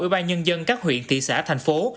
ubnd các huyện thị xã thành phố